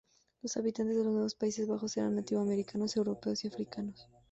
Los habitantes de los Nuevos Países Bajos eran nativo americanos, europeos y africanos.